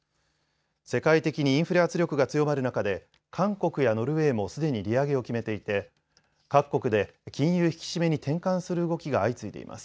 世界的にインフレ圧力が強まる中で韓国やノルウェーもすでに利上げを決めていて各国で金融引き締めに転換する動きが相次いでいます。